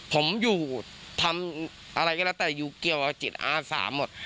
ผมอยู่ทำอะไรก็แล้วนะแต่ที่เหลือว่าจิตอาสาหมด